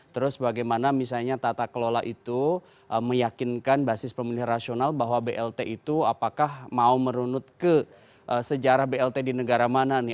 terus bagaimana misalnya tata kelola itu meyakinkan basis pemilih rasional bahwa blt itu apakah mau merunut ke sejarah blt di negara mana nih